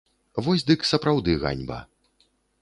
Вось дык сапраўды ганьба.